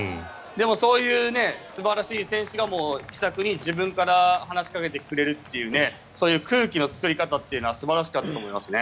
そういう、素晴らしい選手が気さくに自分から話しかけてくれるというそういう空気の作り方というのは素晴らしかったと思いますね。